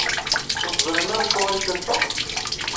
Ur teẓrim ara Acuɣer ay terfa?